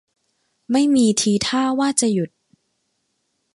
ไม่มีทีท่าว่าจะหยุด